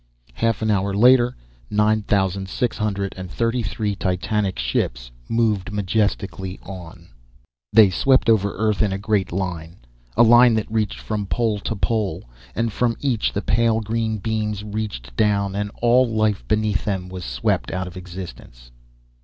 Half an hour later, nine thousand six hundred and thirty three titanic ships moved majestically on. They swept over Earth in a great line, a line that reached from pole to pole, and from each the pale green beams reached down, and all life beneath them was swept out of existence.